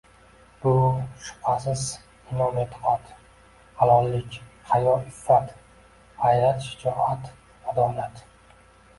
Bu, shubhasiz, imon-e’tiqod, halollik, hayo-iffat, g‘ayrat- shijoat, adolat